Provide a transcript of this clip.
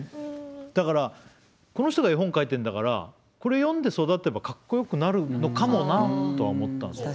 だからこの人が絵本描いてんだからこれ読んで育てばかっこよくなるのかもなとは思ったんですよね。